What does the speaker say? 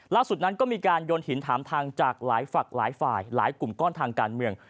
ล่าสุดนั้นก็มีการโยนหินถามทางจากหลายฝักหลายฝ่ายหลายกลุ่มก้อนทางการเมือง